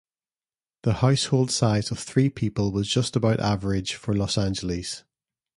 The household size of three people was just about average for Los Angeles.